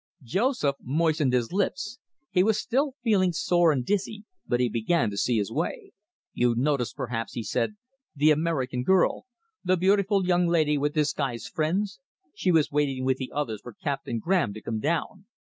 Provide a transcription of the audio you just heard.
Joseph moistened his lips. He was still feeling sore and dizzy, but he began to see his way. "You noticed, perhaps," he said, "the American girl the beautiful young lady with this guy's friends? She was waiting with the others for Captain Graham to come down.